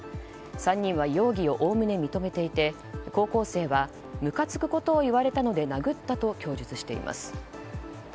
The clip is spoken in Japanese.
３人は容疑をおおむね認めていて高校生は、むかつくことを言われたので殴ったと供述しています。